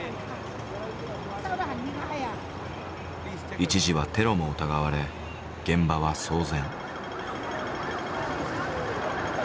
一時はテロも疑われ現場は騒然。